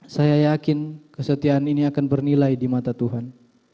saya yakin kesetiaan ini akan bernilai di mata tuhan